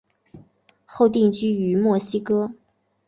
后定居于墨西哥。